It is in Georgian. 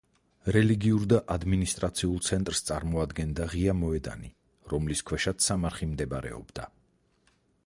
რელიგიურ და ადმინისტრაციულ ცენტრს წარმოადგენდა ღია მოედანი, რომლის ქვეშაც სამარხი მდებარეობდა.